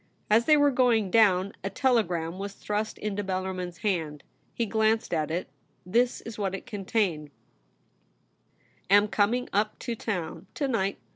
As they were going down, a telegram was thrust into Bellarmin's hand. He glanced at it ; this is what it contained : *Am coming up to town to night.